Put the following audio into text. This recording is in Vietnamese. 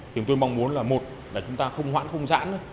thì tôi mong muốn là một là chúng ta không hoãn không giãn